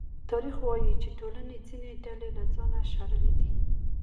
تاریخ وايي چې ټولنې ځینې ډلې له ځانه شړلې دي.